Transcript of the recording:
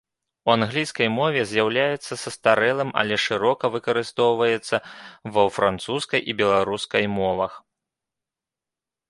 У англійскай мове з'яўляецца састарэлым, але шырока выкарыстоўваецца ва французскай і беларускай мовах.